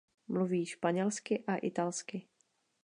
Mluví španělsky a italsky.